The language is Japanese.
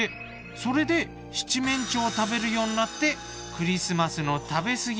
それで七面鳥を食べるようになってクリスマスの食べ過ぎ